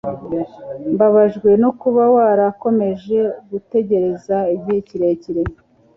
mbabajwe no kuba warakomeje gutegereza igihe kirekire